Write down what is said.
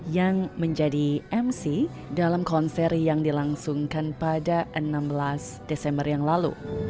yang menjadi mc dalam konser yang dilangsungkan pada enam belas desember yang lalu